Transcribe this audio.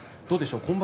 どうでしょう